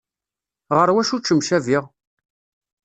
Ɣer wacu ttemcabiɣ?